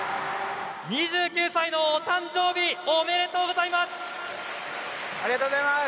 ２９歳のお誕生日おめでとうございます！